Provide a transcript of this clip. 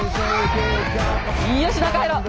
よし中入ろう。